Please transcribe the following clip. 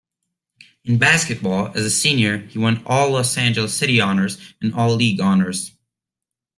In basketball, as a senior he won All-Los Angeles City honors and All-League honors.